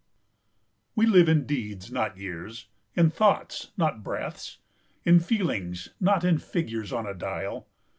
WE live in deeds, not years; in thoughts, not breaths; In feelings, not in figures on a dial.